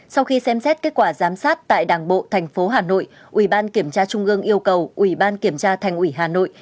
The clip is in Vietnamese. sau khi xem xét kết quả giám sát tại đảng bộ thành phố hà nội ủy ban kiểm tra trung ương yêu cầu ủy ban kiểm tra thành ủy hà nội